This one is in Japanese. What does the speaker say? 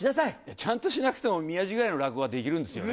ちゃんとしなくても、宮治ぐらいの落語はできるんですよね。